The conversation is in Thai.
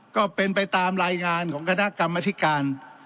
ก็เป็นไปตามรายงานของคณะกรรมธิการ